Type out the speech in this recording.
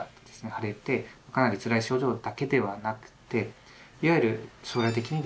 腫れてかなりつらい症状だけではなくていわゆる将来的にですね